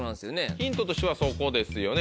ヒントとしてはそこですよね